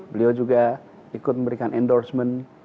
beliau juga ikut memberikan endorsement